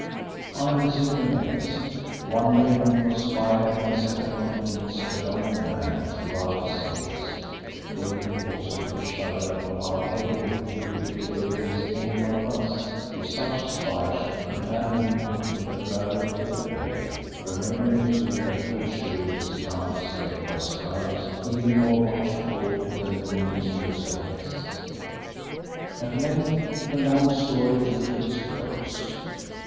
I listened amazed, wondering what spy had been set upon the deeds of yonder man throughout his days; thinking also with a shudder of how heavy would be the tale against any one of us, if such a spy should companion him from the cradle to the grave; remembering too that full surely this count is kept by scribes even more watchful than the ministers of Hes. At length the long story drew to its close.